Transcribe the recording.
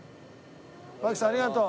槙さんありがとう。